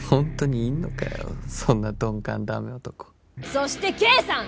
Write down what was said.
そしてＫさん！